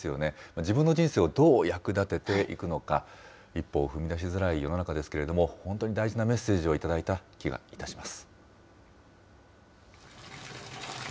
自分の人生を、どう役立てていくのか、一歩を踏み出しづらい世の中ですけれども、本当に大事なメッセージを頂いた気がいたします。